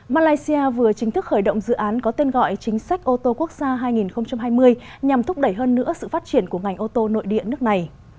malaysia vừa chính thức khởi động dự án có tên gọi chính sách ô tô quốc gia hai nghìn hai mươi nhằm thúc đẩy hơn nữa sự phát triển của ngành ô tô nội địa nước này